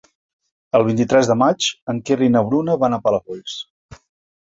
El vint-i-tres de maig en Quer i na Bruna van a Palafolls.